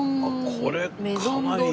これかなりいい！